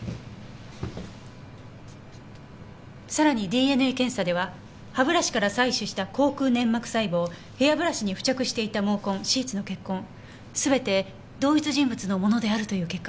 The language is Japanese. さらにＤＮＡ検査では歯ブラシから採取した口腔粘膜細胞ヘアブラシに付着していた毛根シーツの血痕すべて同一人物のものであるという結果が出た。